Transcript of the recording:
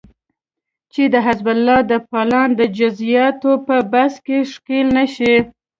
چې حزب الله به د پلان د جزياتو په بحث کې ښکېل نشي